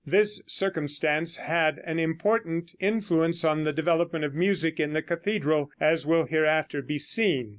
This circumstance had an important influence on the development of music in the cathedral, as will hereafter be seen.